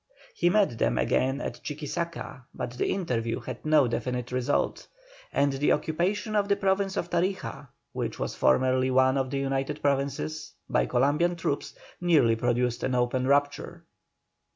He met them again at Chuquisaca, but the interview had no definite result, and the occupation of the Province of Tarija, which was formerly one of the United Provinces, by Columbian troops, nearly produced an open rupture.